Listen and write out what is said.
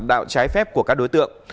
đạo trái phép của các đối tượng